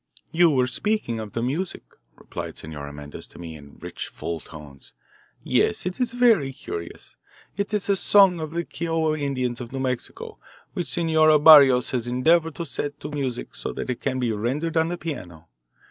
"You were speaking of the music," replied Senora Mendez to me in rich, full tones. "Yes, it is very curious. It is a song of the Kiowa Indians of New Mexico which Senora Barrios has endeavoured to set to music so that it can be rendered on the piano.